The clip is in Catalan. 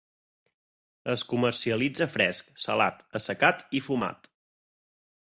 Es comercialitza fresc, salat, assecat i fumat.